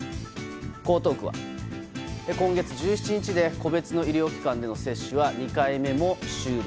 江東区は、今月１７日で個別の医療機関での接種は２回目も終了。